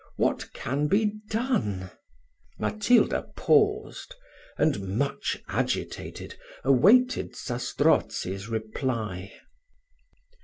What can be done?" Matilda paused; and, much agitated, awaited Zastrozzi's reply.